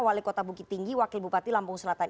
wali kota bukit tinggi wakil bupati lampung selatan